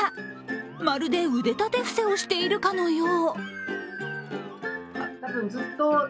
まるで腕立て伏せをしているかのよう。